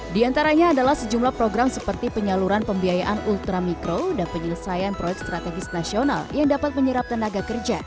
di antaranya adalah sejumlah program seperti penyaluran pembiayaan ultramikro dan penyelesaian proyek strategis nasional yang dapat menyerap tenaga kerja